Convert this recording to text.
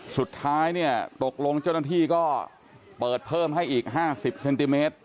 สุดท้ายเนี่ยตกลงเจ้าหน้าที่ก็เปิดเพิ่มให้อีก๕๐เซนติเมตร